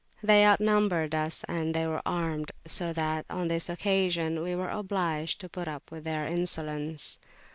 They outnumbered us, and they were armed; so that, on this occasion, we were obliged to put up with their insolence.